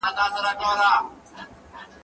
شګه د کتابتوننۍ له خوا پاکيږي،